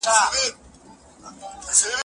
که ستا د سترګو جاذبه نه وای، نو «زه» به نه وای